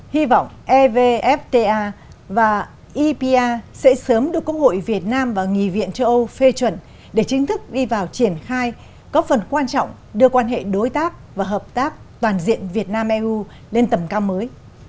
hy vọng evfta và epa sẽ sớm được quốc hội việt nam và nghị viện châu âu phê chuẩn để chính thức đi vào triển khai có phần quan trọng đưa quan hệ đối tác và hợp tác toàn diện việt nam eu lên tầm cao mới